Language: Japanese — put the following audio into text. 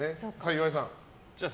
岩井さん。